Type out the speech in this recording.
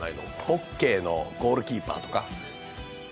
ホッケーのゴールキーパーとか。